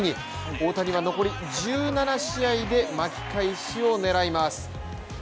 大谷は残り１７試合で巻き返しを狙います。